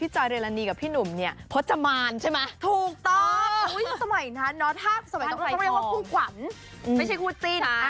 จอยและนี่กับพี่นุ่มเนี่ยพจมาลใช่ไหมถูกมาคุณสมัยถ้าเฉพาะควันให้คุจิน